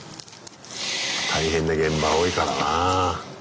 大変な現場多いからなぁ。